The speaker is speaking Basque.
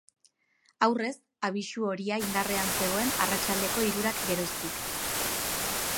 Aurrez, abisu horia indarrean zegoen arratsaldeko hirurak geroztik.